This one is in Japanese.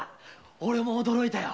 オレも驚いたよ。